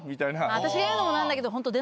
私が言うのも何だけど。